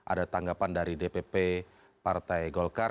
ada tanggapan dari dpp partai golkar